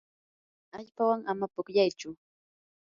allpawan ama pukllaychu.